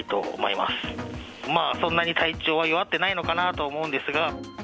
まあ、そんなに体調は弱ってないのかなと思うんですが。